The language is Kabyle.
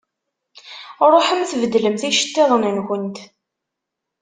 Ṛuḥemt beddlemt iceṭṭiḍent-nkent.